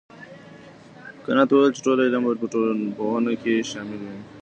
کنت وويل چي ټول علوم به په ټولنپوهنه کي شامل وي.